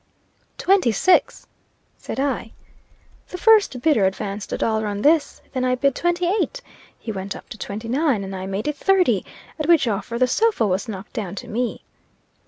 "Twenty six," said I. The first bidder advanced a dollar on this; then I bid twenty eight; he went up to twenty nine, and I made it thirty, at which offer the sofa was knocked down to me.